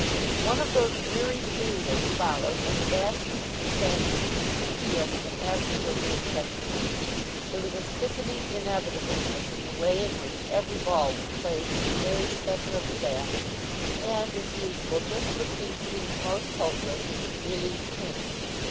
One of those weary periods followed when the batsman's defence seems to the fieldsmen absolutely impregnable. There was a sickening inevitableness in the way in which every ball was played with the very centre of the bat. And, as usual, just when things seemed most hopeless, relief came.